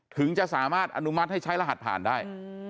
ถึงจะสามารถอนุมัติให้ใช้รหัสผ่านได้